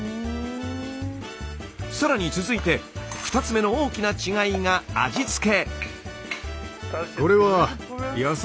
更に続いて２つ目の大きな違いが味付け。